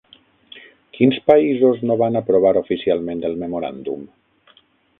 Quins països no van aprovar oficialment el memoràndum?